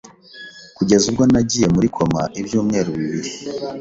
kugeza ubwo nagiye muri koma ibyumweru bibiri